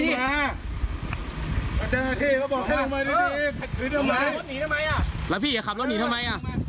รถหนีทำไมอ่ะ